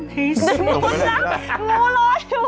มูรอดอยู่